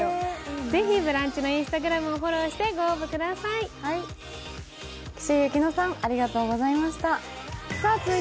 ぜひ、ブランチのＩｎｓｔａｇｒａｍをフォローして、ご応募ください。